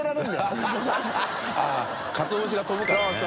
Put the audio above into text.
あっかつお節が飛ぶからね。